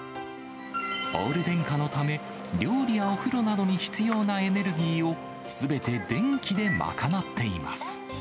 オール電化のため、料理やお風呂などに必要なエネルギーをすべて電気で賄っています。